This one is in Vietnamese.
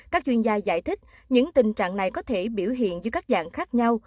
các chuyên gia giải thích những tình trạng này có thể biểu hiện dưới các dạng khác nhau